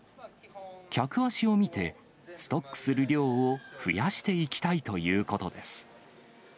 客足を見て、ストックする量を増やしていきたいということです。